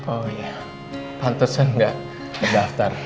oh iya pantusan gak terdaftar